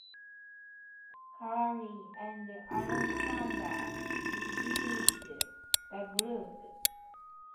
Cauley and Alexander rebuilt the group.